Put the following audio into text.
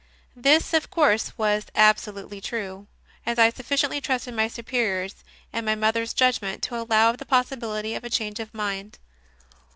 This, of course, was absolutely true, as I sufficiently trusted my Superior s and my mother s judgment to allow of the possibility of a change of mind.